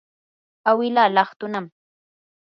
awilaa laqtunami.